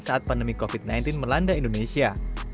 saat pandemi covid sembilan belas melanda indonesia